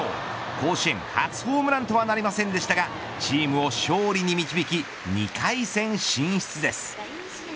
甲子園初ホームランとはなりませんでしたがチームを勝利に導き２回戦進出です。